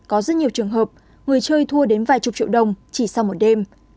vì thế có rất nhiều trường hợp người chơi thua đến vài chục triệu đồng chỉ sau một đêm